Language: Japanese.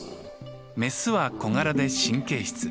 メスは小柄で神経質。